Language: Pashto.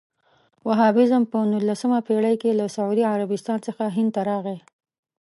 وهابیزم په نولسمه پېړۍ کې له سعودي عربستان څخه هند ته راغی.